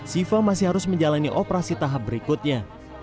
siva masih harus menjalani operasi tahap berikutnya